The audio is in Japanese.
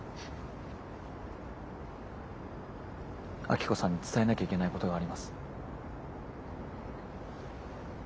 アキコさんに伝えなきゃいけないことがあります。